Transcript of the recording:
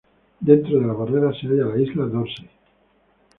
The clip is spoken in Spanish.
Dentro de la barrera se halla la isla Dorsey.